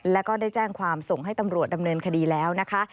แล้วก็ได้แจ้งความส่งให้ตำรวจดำเนินคดีแล้วนะคะ